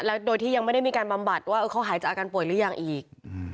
แล้วโดยที่ยังไม่ได้มีการบำบัดว่าเขาหายจากอาการป่วยหรือยังอีก